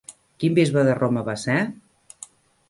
Quin bisbe de Roma va ser?